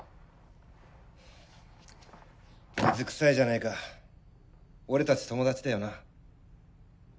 水くさいじゃないか俺達友達だよな？